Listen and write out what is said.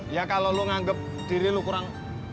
ya kalau lo nganggep diri lo kurang